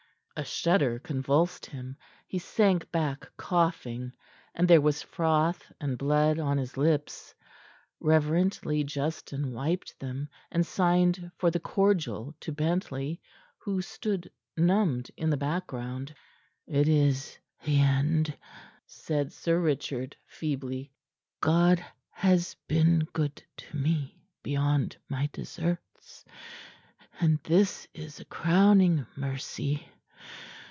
A shudder convulsed him. He sank back coughing, and there was froth and blood on his lips. Reverently Justin wiped them, and signed for the cordial to Bentley, who stood, numbed, in the background. "It is the end," said Sir Richard feebly. "God has been good to me beyond my deserts, and this is a crowning mercy.